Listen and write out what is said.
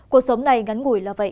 cuộc sống này ngắn ngủi là vậy